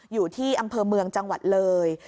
อยู่ที่อำเภอเมืองจังหวัดเลย